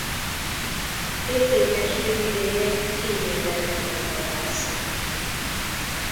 Értékes prémjéért kíméletlenül vadásszák.